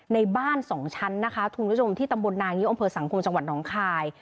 ในบ้านสองชั้นนะคะคุณผู้ชมที่ตำบลนางิ้วอำเภอสังคมจังหวัดน้องคาย